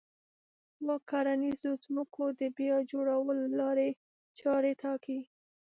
و کرنيزو ځمکو د بيا جوړولو لارې چارې ټاکي